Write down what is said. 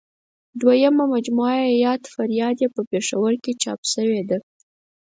دویمه مجموعه یاد فریاد یې په پېښور کې چاپ شوې ده.